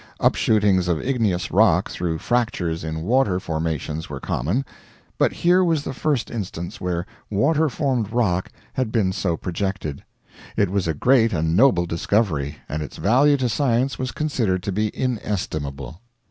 Up shootings of igneous rock through fractures in water formations were common; but here was the first instance where water formed rock had been so projected. It was a great and noble discovery, and its value to science was considered to be inestimable.